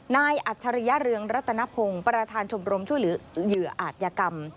อัจฉริยเรืองรัตนพงศ์ประธานชมรมช่วยเหลือเหยื่ออาจยกรรม